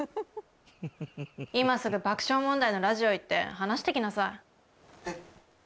今すぐ爆笑問題のラジオ行って話してきなさいえっ？